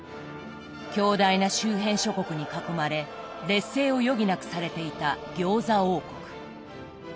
強大な周辺諸国に囲まれ劣勢を余儀なくされていた餃子王国。